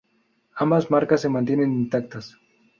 Ambas marcas se mantienen intactas.